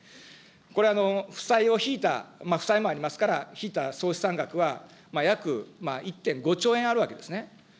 これ負債を引いた、負債もありますから、引いた総資産額は約１．５兆円あるわけですね。